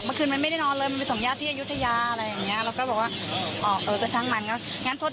เมื่อคืนมันไม่ได้นอนเลยมันไปส่งญาติที่อยุธยาอะไรอย่างนี้